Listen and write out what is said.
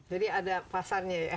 jadi ada pasarnya ya